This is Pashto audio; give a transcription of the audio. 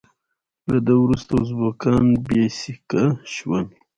له ده وروسته ازبکان بې سیکه شول.